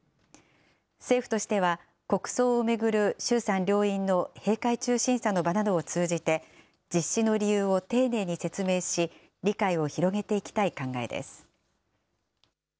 政府としては国葬を巡る衆参両院の閉会中審査の場などを通じて実施の理由を丁寧に説明し、理解を広げていきたい考えです。